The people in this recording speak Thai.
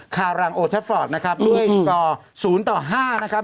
คารังโอเทฟรอร์ตนะครับด้วยก่อ๐๕นะครับ